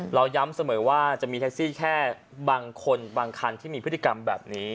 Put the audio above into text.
เราย้ำเสมอว่าจะมีแท็กซี่แค่บางคนบางคันที่มีพฤติกรรมแบบนี้